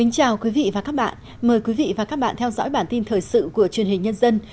chào mừng quý vị đến với bản tin thời sự của truyền hình nhân dân